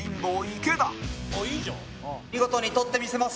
池田：見事に取ってみせます。